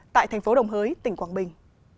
tại thành phố đồng hới tỉnh quảng bình